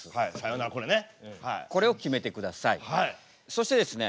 そしてですね